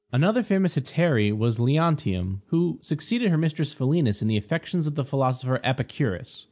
Another famous hetaira was Leontium, who succeeded her mistress Philenis in the affections of the philosopher Epicurus.